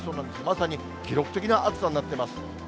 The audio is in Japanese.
まさに記録的な暑さになってます。